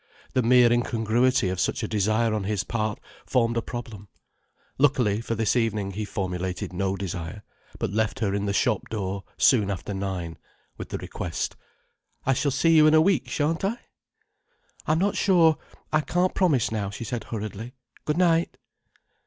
The mere incongruity of such a desire on his part formed a problem. Luckily, for this evening he formulated no desire, but left her in the shop door soon after nine, with the request: "I shall see you in the week, shan't I?" "I'm not sure. I can't promise now," she said hurriedly. "Good night."